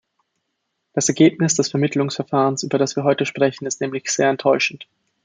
Das Ergebnis des Vermittlungsverfahrens, über das wir heute sprechen, ist nämlich sehr enttäuschend.